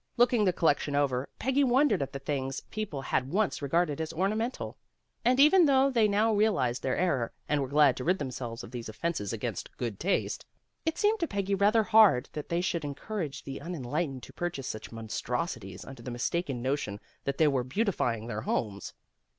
Looking the collection over, Peggy wondered at the things people had once re garded as ornamental. And even though they now realized their error, and were glad to rid themselves of these offenses against good taste, 74 PEGGY RAYMOND'S WAY it seemed to Peggy rather hard that they should encourage the unenlightened to pur chase such monstrosities under the mistaken notion that they were beautifying their homes.